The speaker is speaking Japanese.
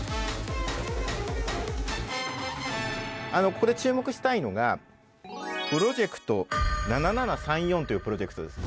ここで注目したいのがプロジェクト７７３４というプロジェクトです。